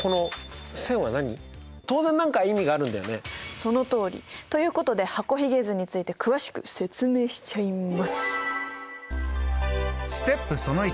そのとおり。ということで箱ひげ図について詳しく説明しちゃいます。